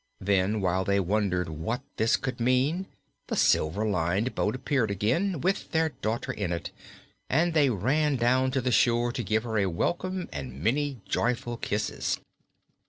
Then, while they wondered what this could mean, the silver lined boat appeared again, with their daughter in it, and they ran down to the shore to give her a welcome and many joyful kisses.